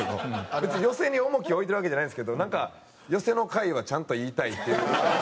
別に寄席に重きを置いてるわけじゃないんですけどなんか「寄席の会」はちゃんと言いたいっていう。